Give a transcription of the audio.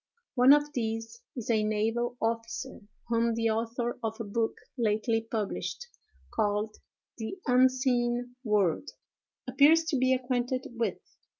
One of these is a naval officer, whom the author of a book lately published, called "The Unseen World," appears to be acquainted with.